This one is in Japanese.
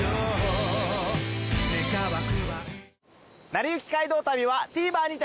『なりゆき街道旅』はＴＶｅｒにて配信中です。